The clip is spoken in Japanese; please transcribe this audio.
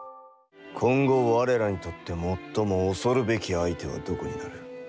今後我らにとって最も恐るべき相手はどこになる？